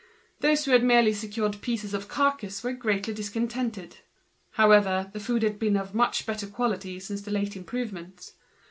Those who had pieces of the carcase were greatly discontented. However, the food had been much better since the late improvements.